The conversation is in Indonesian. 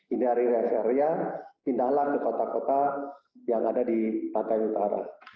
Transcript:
ini dari rest area pindahlah ke kota kota yang ada di pantai utara